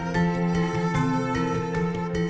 berarti bahwa kalau pakai latan siapapun